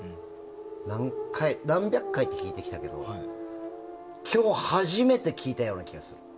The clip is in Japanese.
何回、何百回、聴いてきたけど今日、初めて聴いたような気がする。